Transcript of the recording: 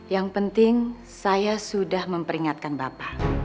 yang penting saya sudah memperingatkan bapak